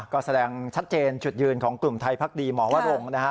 ก็แสดงชัดเจนจุดยืนของกลุ่มไทยพักดีหมอวรงค์นะฮะ